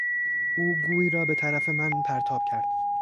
او گوی را به طرف من پرتاب کرد.